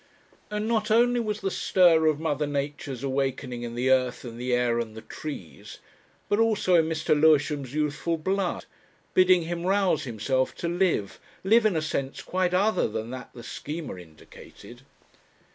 And not only was the stir of Mother Nature's awakening in the earth and the air and the trees, but also in Mr. Lewisham's youthful blood, bidding him rouse himself to live live in a sense quite other than that the Schema indicated.